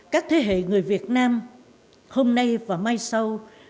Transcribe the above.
các thế hệ người việt nam hôm nay và mai sau